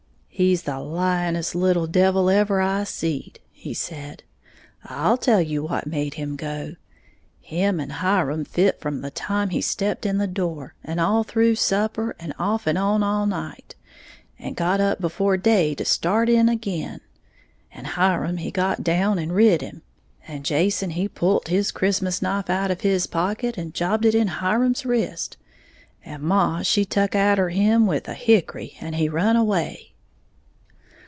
"He's the lyin'est little devil ever I seed," he said; "I'll tell you what made him go. Him and Hiram fit from the time he stepped in the door, and all through supper, and off'n on all night, and got up before day to start in ag'in; and Hiram he got him down and rid him, and Jason he pult his Christmas knife out of his pocket and jobbed it in Hiram's wrist, and maw she tuck atter him with a hickory, and he run away."